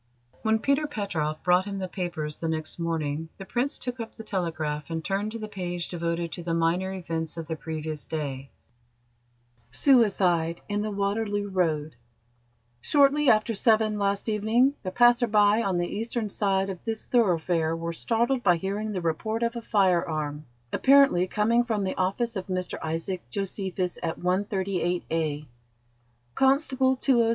When Peter Petroff brought him the papers the next morning, the Prince took up the Telegraph, and turned to the page devoted to the minor events of the previous day. His eye was almost immediately caught by a paragraph headed: "SUICIDE IN THE WATERLOO ROAD "Shortly after seven last evening the passers by on the eastern side of this thoroughfare were startled by hearing the report of a firearm, apparently coming from the office of Mr Isaac Josephus at 138a. Constable 206 Q.